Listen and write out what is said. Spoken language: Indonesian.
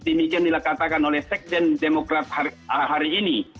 demikian dilakukan oleh sekten demokrat hari ini